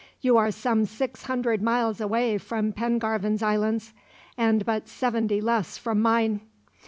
You are some six hundred miles away from Pengarvan's islands, and but seventy less from mine.